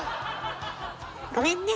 ごめんね。